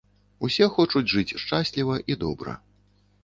Усе хочуць жыць шчасліва і добра.